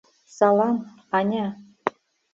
«Салам, Аня!